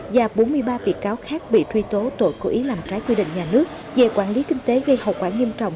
và bốn mươi ba bị cáo khác bị truy tố tội cố ý làm trái quy định nhà nước về quản lý kinh tế gây hậu quả nghiêm trọng